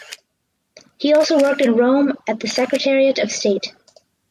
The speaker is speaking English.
He also worked in Rome at the Secretariat of State.